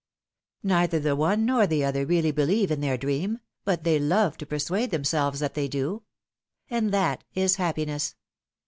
Neither the one nor the other really believe in their dream, but they love to persuade them selves that they do. And that is happiness!